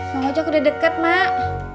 semuanya udah deket emak